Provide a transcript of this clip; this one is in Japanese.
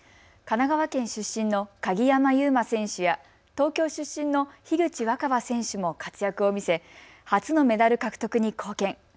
神奈川県出身の鍵山優真選手や東京出身の樋口新葉選手も活躍を見せ初のメダル獲得に貢献。